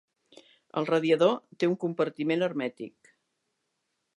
El radiador té un compartiment hermètic.